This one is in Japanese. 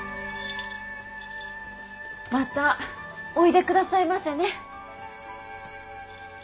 またおいでくださいませね。